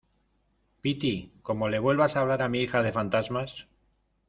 piti, como le vuelvas a hablar a mi hija de fantasmas